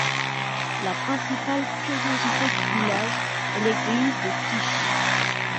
La principale curiosité du village est l'église de Kish.